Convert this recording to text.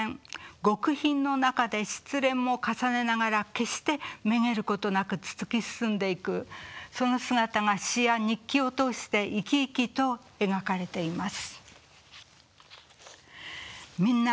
極貧の中で失恋も重ねながら決してめげることなく突き進んでいくその姿が詩や日記を通して生き生きと描かれています。